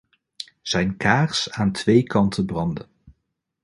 Zijn kaars aan twee kanten branden.